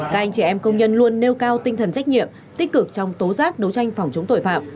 các anh trẻ em công nhân luôn nêu cao tinh thần trách nhiệm tích cực trong tố giác đấu tranh phòng chống tội phạm